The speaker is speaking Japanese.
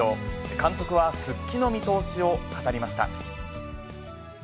監督は復帰の見通しを語りました。